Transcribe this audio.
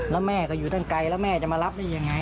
แล้วแม่ก็อยู่ตั้งไกลแล้วแม่จะมารับได้ยังไง